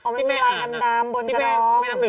อ๋อมันมีรายกันดำบนกระดอง